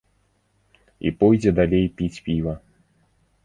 І пойдзе далей піць піва.